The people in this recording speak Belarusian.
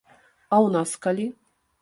А ў нас калі?